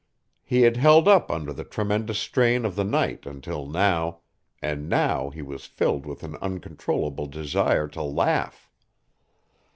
He had held up under the tremendous strain of the night until now and now he was filled with an uncontrollable desire to laugh.